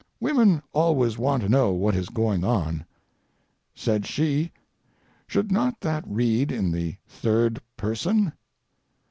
Women always want to know what is going on. Said she "Should not that read in the third person?"